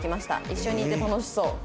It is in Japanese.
一緒にいて楽しそう」